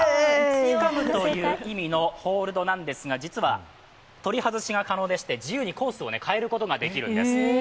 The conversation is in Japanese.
つかむという意味のホールドなんですが実は取り外しが可能でして自由にコースを変えることが出来るんです。